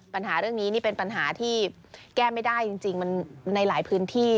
ปัญหาเรื่องนี้นี่เป็นปัญหาที่แก้ไม่ได้จริงมันในหลายพื้นที่